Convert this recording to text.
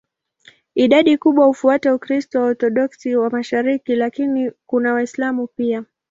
Idadi kubwa hufuata Ukristo wa Waorthodoksi wa mashariki, lakini kuna Waislamu pia.